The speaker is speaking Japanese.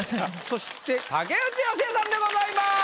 そして竹内由恵さんでございます。